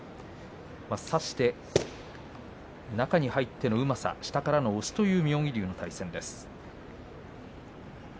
差して中に入ってのうまさ下からの押しという妙義龍の対戦です。